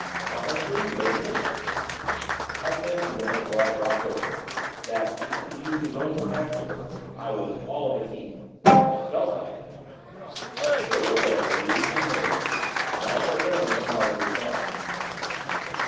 'Marjorie Lindon?' I fancy that my jaw dropped open, that, to use his own vernacular, I was 'all of a heap.' I felt like it. I strode away leaving him mazed and all but ran into Marjorie's arms.